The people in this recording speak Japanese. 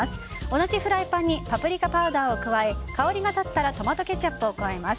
同じフライパンにパプリカパウダーを加え香りが立ったらトマトケチャップを加えます。